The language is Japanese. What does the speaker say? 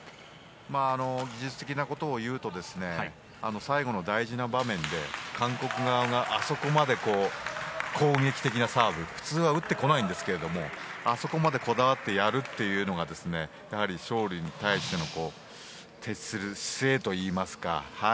技術的なことを言うと最後の大事な場面で韓国側があそこまで攻撃的なサーブ普通は打ってこないんですけどもあそこまでこだわってやるというのが勝利に徹する姿勢といいますか。